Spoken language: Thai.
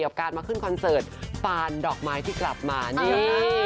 กับการมาขึ้นคอนเสิร์ตปานดอกไม้ที่กลับมาเนี่ยนะ